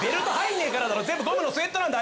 全部ゴムのスウェットなんだ。